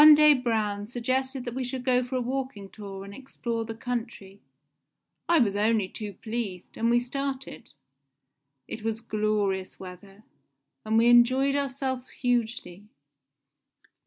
One day Braun suggested that we should go for a walking tour and explore the country. I was only too pleased, and we started. It was glorious weather, and we enjoyed ourselves hugely.